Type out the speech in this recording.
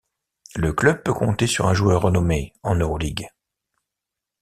Le club peut compter sur un joueur renommé en Euroligue.